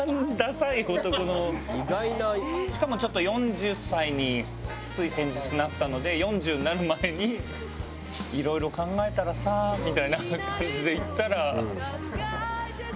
しかもちょっと４０歳につい先日なったので４０になる前にいろいろ考えたらさあみたいな感じで言ったら。